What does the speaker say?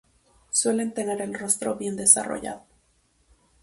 Suelen tener el rostro bien desarrollado.